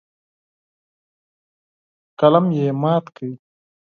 قلم یې مات کړ.